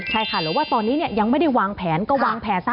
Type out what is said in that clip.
ใช่ค่ะหรือว่าตอนนี้ยังไม่ได้วางแผนก็วางแผนซะ